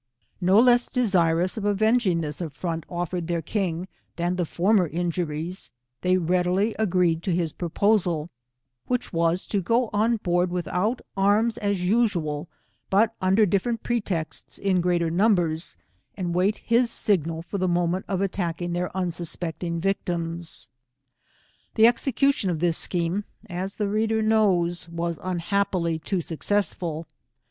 No less desirous of avenging this affront offered their king, than their former injuries, they readily agreed to his proposal, which was to go on board without arms as usual, but under different pretexts, in great numbers, and wait for his signal for the moment of attacking their unsuspecting victims. The execution of this scheme, as the reader knows, was unhappily too successful.